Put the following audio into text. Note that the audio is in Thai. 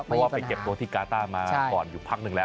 เพราะว่าไปเก็บตัวที่กาต้ามาก่อนอยู่พักหนึ่งแล้ว